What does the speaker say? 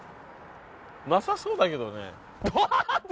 なさそうだけどね待って！